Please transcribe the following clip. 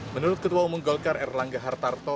menurut ketua umum golkar erlangga hartarto